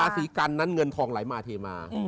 สิบสองมับทางมา